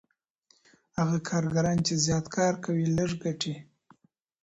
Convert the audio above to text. هغه کارګران چي زیات کار کوي لږ ګټي.